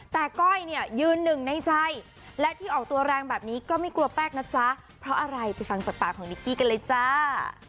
แต่ก้อยเนี่ยยืนหนึ่งในใจและที่ออกตัวแรงแบบนี้ก็ไม่กลัวแป้งนะจ๊ะเพราะอะไรไปฟังจากปากของนิกกี้กันเลยจ้า